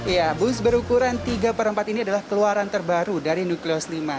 ya bus berukuran tiga per empat ini adalah keluaran terbaru dari nukleous lima